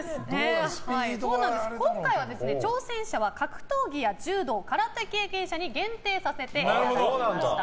今回は挑戦者は格闘技や柔道・空手経験者に限定させていただきました。